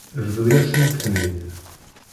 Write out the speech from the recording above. Bḍu-yasent-ten-id.